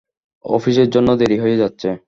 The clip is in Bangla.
অফিসের জন্য দেরি হয়ে যাচ্ছে।